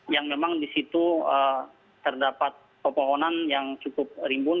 yang memang di situ terdapat pepohonan yang cukup rimbun